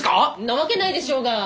なわけないでしょうが！